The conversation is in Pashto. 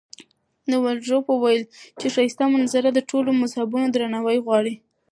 والډروف وویل چې ښایسته منظره د ټولو مذهبونو درناوی غواړي.